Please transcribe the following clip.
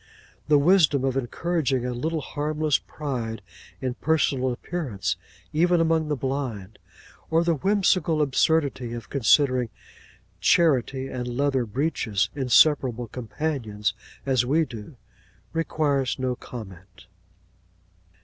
The wisdom of encouraging a little harmless pride in personal appearance even among the blind, or the whimsical absurdity of considering charity and leather breeches inseparable companions, as we do, requires no comment.